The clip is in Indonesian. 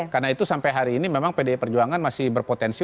karena itu sampai hari ini memang pdi perjuangan masih berpotensi